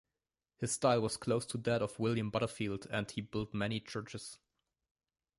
His style was close to that of William Butterfield and he built many churches.